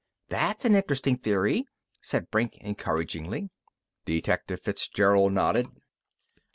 "That's an interesting theory," said Brink encouragingly. Detective Fitzgerald nodded.